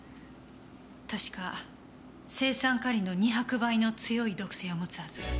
確か青酸カリの２００倍の強い毒性を持つはず。